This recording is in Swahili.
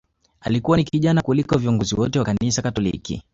Alikuwa ni kijana kuliko viongozi wote wa kanisa Katoliki